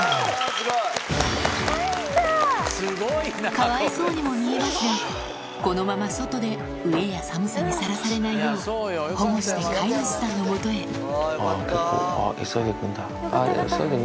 かわいそうにも見えますがこのまま外で飢えや寒さにさらされないよう保護して飼い主さんのもとへ結構。